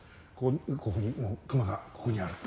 ここにもう熊がここにある。